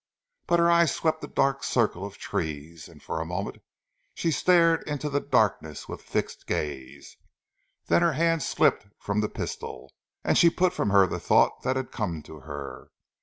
But her eyes swept the dark circle of trees, and for a moment she stared into the darkness with fixed gaze, then her hand slipped from the pistol, and she put from her the thought that had come to her.